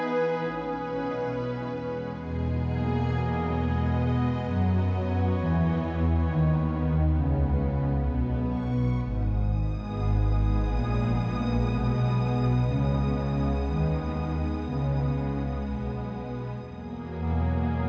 terima kasih tak keras desa dan makinnya sampai ramai ya allah